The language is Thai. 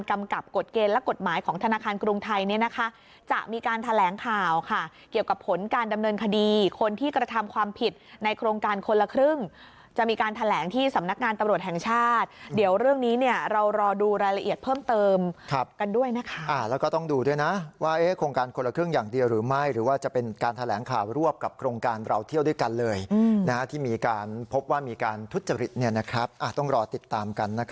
กับกฎเกณฑ์และกฎหมายของธนาคารกรุงไทยเนี่ยนะคะจะมีการแถลงข่าวค่ะเกี่ยวกับผลการดำเนินคดีคนที่กระทำความผิดในโครงการคนละครึ่งจะมีการแถลงที่สำนักงานตรวจแห่งชาติเดี๋ยวเรื่องนี้เนี่ยเรารอดูรายละเอียดเพิ่มเติมครับกันด้วยนะคะอ่าแล้วก็ต้องดูด้วยนะว่าเอ๊ะโครงการคนละครึ่งอย่างเด